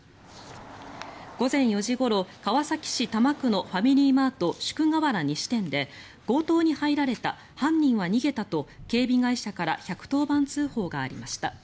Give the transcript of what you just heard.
午前４時ごろ、川崎市多摩区のファミリーマート宿河原西店で強盗に入られた犯人は逃げたと警備会社から１１０番通報がありました。